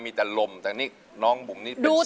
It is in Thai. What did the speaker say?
มีแต่ลมแต่นี่ร้องบุ่งนี่เป็นเสียง